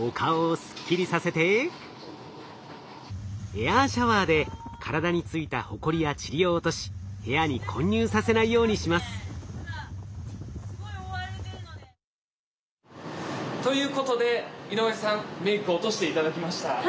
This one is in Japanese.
お顔をすっきりさせてエアーシャワーで体についたホコリやチリを落とし部屋に混入させないようにします。ということで井上さんメイク落として頂きました。